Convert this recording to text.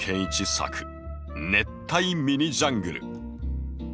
作「熱帯ミニジャングル」。